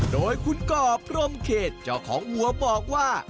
โดยคุณก่อพรมเขตเจ้าของวัวบอกว่า